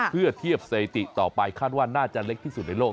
เพื่อเทียบสถิติต่อไปคาดว่าน่าจะเล็กที่สุดในโลก